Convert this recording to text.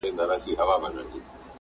ډېر شتمن دئ تل سمسوره او ښېراز دئ-